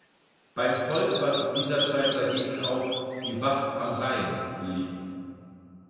Beim Volk war zu dieser Zeit dagegen auch "Die Wacht am Rhein" beliebt.